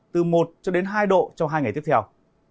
từ một hai độ trong hai ngày tiếp theo